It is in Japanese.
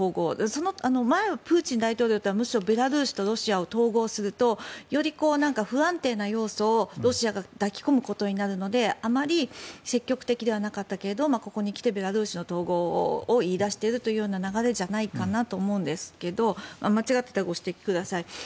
その前はプーチン大統領はベラルーシとロシアを統合すると、より不安定な要素をロシアが抱き込むことになるのであまり積極的ではなかったけれどここにきてベラルーシの統合を言い出しているという流れじゃないかなと思うんですけど間違っていたらご指摘ください。